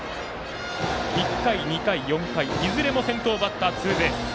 １回、２回、４回いずれも先頭バッターツーベース。